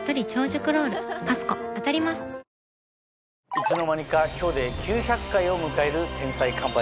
いつの間にか今日で９００回を迎える『天才‼カンパニー』。